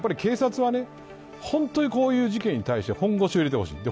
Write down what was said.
やっぱり警察は、本当にこういう事件に対して本腰を入れてほしい。